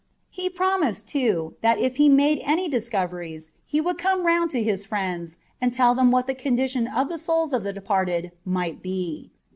He promised, too, that if he made any discoveries, he would come round to his friends and tell them what the condition of the souls of the departed might be.